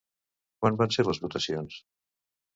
Quan van ser les votacions?